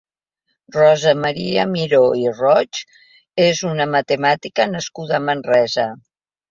Rosa Maria Miró i Roig és una matemàtica nascuda a Manresa.